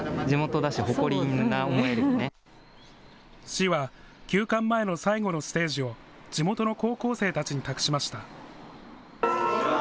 市は休館前の最後のステージを地元の高校生たちに託しました。